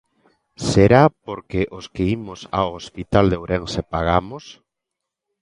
¿Será porque os que imos ao hospital de Ourense pagamos?